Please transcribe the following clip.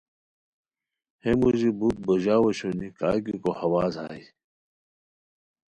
ہے موژی بوت بوژاؤ اوشونی کا گیکو ہواز ہائے